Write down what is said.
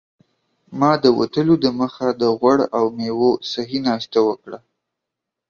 ما د وتلو دمخه د غوړ او میوو صحي ناشته وکړه.